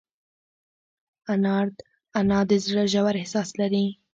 انا د زړه ژور احساس لري